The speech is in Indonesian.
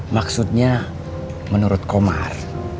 maksudnya menurut komar